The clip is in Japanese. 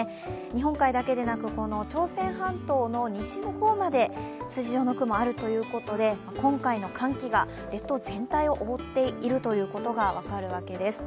日本海だけでなく朝鮮半島の西の方まで筋状の雲があるということで今回の寒気が列島全体を覆っていることが分かるわけです。